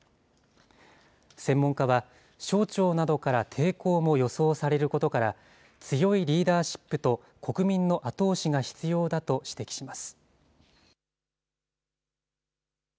専門家は、省庁などから抵抗も予想されることから、強いリーダーシップと国民の後押しが必要だと指摘します。